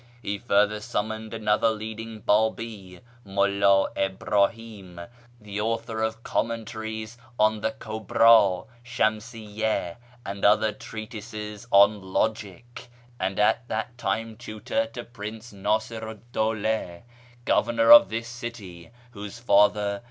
He further summoned another leading Babi, Mulla Ibrahim, the author of commentaries on the Kuhrd, Shmnsiyya, and other treatises on Logic, and at that time tutor to Prince Ntisiru 'd Dawla, Governor of this city, whose father.